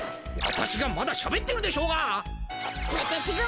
私がまだしゃべってるでしょうが！